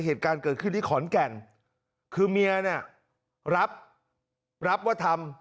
เหตุการณ์เกิดขึ้นที่ขอนแก่นคือเมียเนี่ยรับรับว่าทำ